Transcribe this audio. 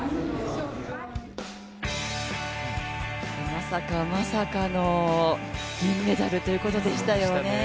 まさかまさかの銀メダルということでしたよね。